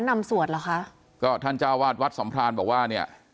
นำสวดเหรอคะก็ท่านเจ้าวาดวัดสัมพรานบอกว่าเนี่ย